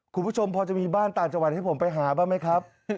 คุณผู้ชมพอจะมีบ้านต่างจังหวัดให้ผมไปหาบ้างไหมครับ